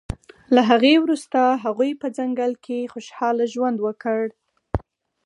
له هغې وروسته هغوی په ځنګل کې خوشحاله ژوند وکړ